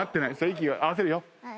息合わせるよ。